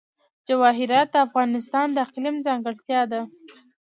جواهرات د افغانستان د اقلیم ځانګړتیا ده.